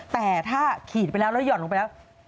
แต่ถ้าขีดไปแล้วแล้วหย่อนลงไปแล้ว